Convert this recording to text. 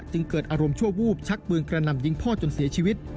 เกิดอารมณ์ชั่ววูบชักปืนกระหน่ำยิงพ่อจนเสียชีวิต